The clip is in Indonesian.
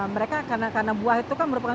mereka karena buah itu kan merupakan